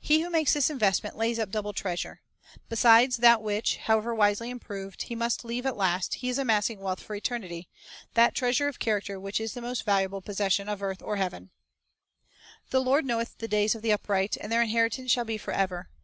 2 He who makes this investment lays up double treas ure. Besides that which, however wisely improved, he must leave at last, he is amassing wealth for eternity, — that treasure of character which is the most valuable possession of earth or heaven. Security for Deposit "The Lord knoweth the days of the upright; and their inheritance shall be forever.